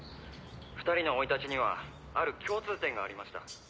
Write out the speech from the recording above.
「２人の生い立ちにはある共通点がありました」